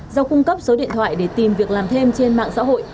do cung cấp số điện thoại để tìm việc làm thêm trên mạng xã hội